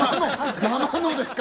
生のですか？